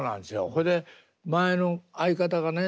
ほいで前の相方がね